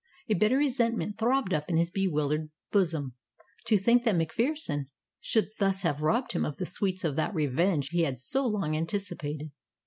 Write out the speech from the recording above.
A bitter resentment throbbed up in his bewildered bosom, to think that MacPherson should thus have robbed him of the sweets of that revenge he had so long anticipated.